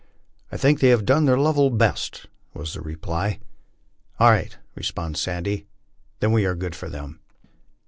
I think they have done their level best," was the reply. " All right," responds " Sandy" ;" then we are good for them."